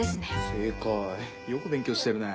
正解よく勉強してるね。